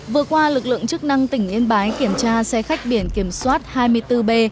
vừa qua lực lượng chức năng tỉnh yên bái kiểm tra xe khách biển kiểm soát hai mươi bốn b